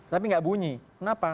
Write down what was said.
tapi tidak bunyi kenapa